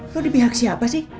kok di pihak siapa sih